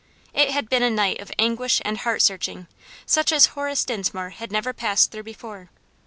It had been a night of anguish and heart searching, such as Horace Dinsmore had never passed through before.